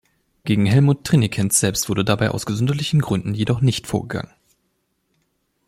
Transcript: Gegen Hellmut Trienekens selbst wurde dabei aus gesundheitlichen Gründen jedoch nicht vorgegangen.